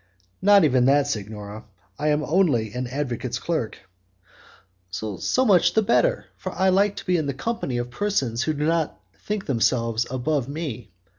"Not even that, signora; I am only an advocate's clerk." "So much the better, for I like to be in the company of persons who do not think themselves above me.